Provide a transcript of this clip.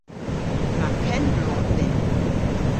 Yma penn-bloodh dhyn.